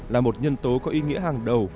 là một nhân tố có ý nghĩa hàng đầu